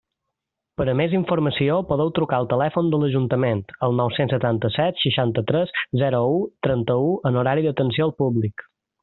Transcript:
Per a més informació podeu trucar al telèfon de l'Ajuntament, al nou-cents setanta-set, seixanta-tres, zero u, trenta-u, en horari d'atenció al públic.